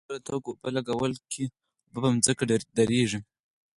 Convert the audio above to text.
په ژوره توګه اوبه لګولو کې اوبه په ځمکه کې ډنډېږي.